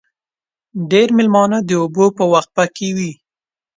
ډېری مېلمانه د اوبو په وقفه کې وي.